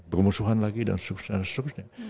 bermusuhan lagi dan sebagainya